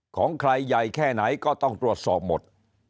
ของใครใหญ่แค่ไหนก็ต้องตรวจสอบหมด